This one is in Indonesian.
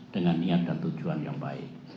dengan niat dan tujuan yang baik